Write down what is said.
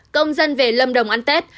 công dân về lâm đồng ăn tết